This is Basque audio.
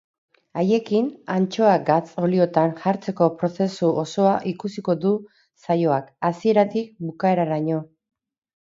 Haiekin, antxoa gatz-oliotan jartzeko prozesu osoa ikusiko du saioak, hasieratik bukaeraraino.